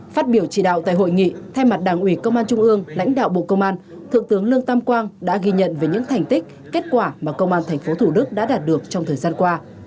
phát biểu chỉ đạo tại hội nghị thay mặt đảng ủy công an trung ương lãnh đạo bộ công an thượng tướng lương tam quang đã ghi nhận về những thành tích kết quả mà công an tp thủ đức đã đạt được trong thời gian qua